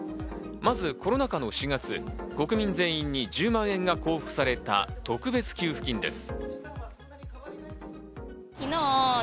まずコロナ禍の４月、国民全員に１０万円が交付された特別給付金です。